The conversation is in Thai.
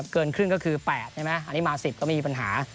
เกินครึ่งก็คือ๘ใช่ไหมอันนี้มา๑๐ก็ไม่มีปัญหา